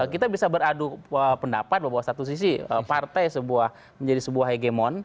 kita bisa beradu pendapat bahwa satu sisi partai menjadi sebuah hegemon